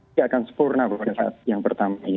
jadi akan sempurna pada saat yang pertama ini